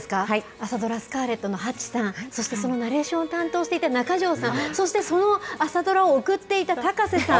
朝ドラ、スカーレットの八さん、そしてそのナレーションを担当していた中條さん、そしてその朝ドラを送っていた高瀬さん。